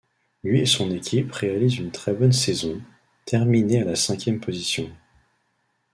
Lui et son équipe réalisent une très bonne saison, terminé à la cinquième position.